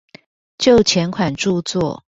就前款著作